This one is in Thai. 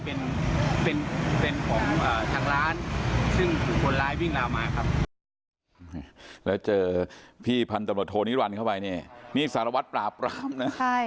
พี่พันธุ์ตำรวจโทรนิรวรรณเข้าไปนี่นี่สารวัตรปราบปรามนะใช่